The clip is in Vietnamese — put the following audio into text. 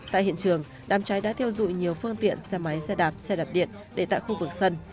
tại hiện trường đám cháy đã theo dụi nhiều phương tiện xe máy xe đạp xe đạp điện để tại khu vực sân